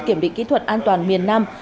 kiểm định kỹ thuật an toàn miền nam